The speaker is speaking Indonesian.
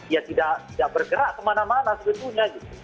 ya tidak bergerak kemana mana sebetulnya